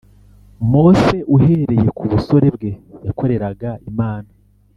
Mose uhereye mu busore bwe yakoreraga Imana